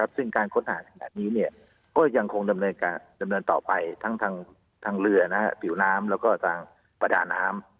ซึ่งการค้นหาแบบนี้ก็ยังคงดำเนินต่อไปทั้งเรือน้ำผิวน้ำและประดาษน้ำ